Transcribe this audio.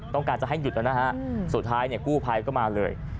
ต้องการจะให้หยุดแล้วสุดท้ายกู้ภัยก็มาเลย